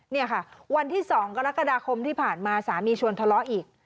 นี่ค่ะวันที่๒กรกฎาคมที่ผ่านมาสามีชวนทะเลาะอีก